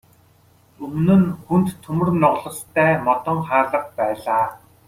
Өмнө нь хүнд төмөр нугастай модон хаалга байлаа.